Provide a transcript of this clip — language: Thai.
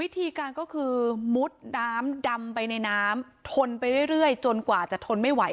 วิธีการก็คือมุดน้ำดำไปในน้ำทนไปเรื่อยจนกว่าจะทนไม่ไหว